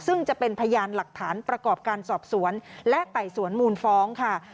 ซึ่งจะเป็นพยานหลักฐานประกอบการสอบสวนและไต่สวนมูลฟ้องค่ะ